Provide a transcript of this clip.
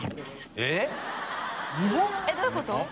えっどういうこと？